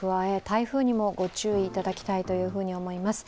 台風にもご注意いただきたいと思います。